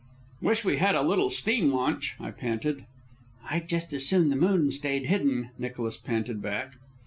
"Wish we had a little steam launch," I panted. "I'd just as soon the moon stayed hidden," Nicholas panted back.